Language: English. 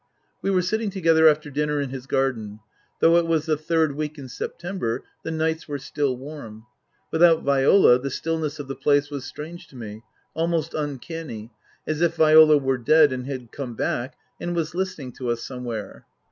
We were sitting together after dinner in his garden. Though it was the third week in September the nights were still warm. Without Viola, the stillness of the place was strange to me, almost uncanny, as if Viola were dead and had come back and was listening to us some where.